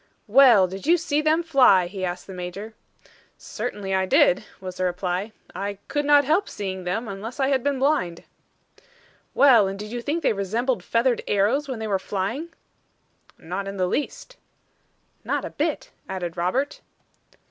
"Well, did you see them fly?" he asked the Major. "Certainly I did," was the reply. "I could not help seeing them, unless I had been blind." "Well and did you think they resembled feathered arrows when they were flying?" "Not in the least." "Not a bit," added Robert.